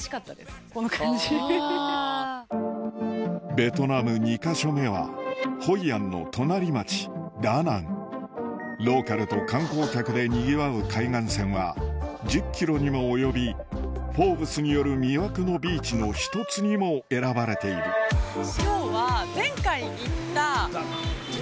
ベトナム２か所目はホイアンの隣町ダナンローカルと観光客でにぎわう海岸線は１０ｋｍにも及び『Ｆｏｒｂｅｓ』による「魅惑のビーチのひとつ」にも選ばれているそこで。